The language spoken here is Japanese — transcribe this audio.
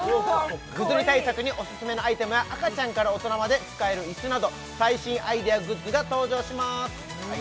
ぐずり対策にオススメのアイテムや赤ちゃんから大人まで使える椅子など最新アイデアグッズが登場します